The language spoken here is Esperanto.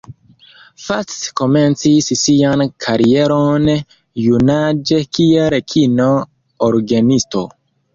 Fats komencis sian karieron junaĝe kiel kino-orgenisto.